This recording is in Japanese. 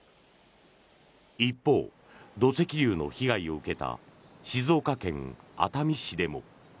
一方、土石流の被害を受けた静岡県熱海市でも。